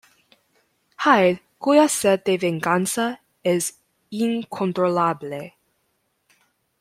Hyde, cuya sed de venganza es incontrolable.